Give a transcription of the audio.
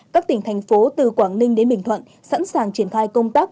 các tỉnh thành phố từ quảng ninh đến bình thuận sẵn sàng triển khai công tác